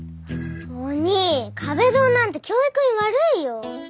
おにぃ壁ドンなんて教育に悪いよ。